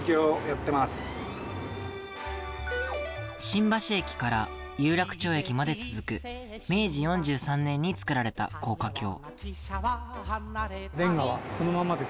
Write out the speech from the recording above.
新橋駅から有楽町駅まで続く明治４３年に造られた高架橋。